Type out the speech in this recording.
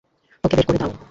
ওকে বের করে দাও।